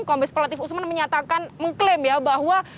kompes prelatif usman mengklaim bahwa